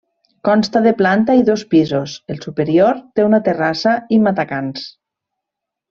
Consta de planta i dos pisos, el superior té una terrassa i matacans.